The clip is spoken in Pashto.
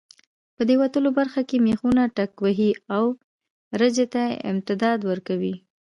په دې وتلو برخو کې مېخونه ټکوهي او رجه ته امتداد ورکوي.